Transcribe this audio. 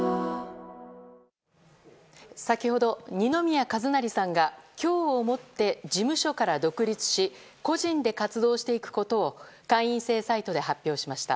先ほど、二宮和也さんが今日をもって事務所から独立し個人で活動していくことを会員制サイトで発表しました。